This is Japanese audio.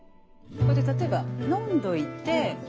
ここで例えば飲んどいて。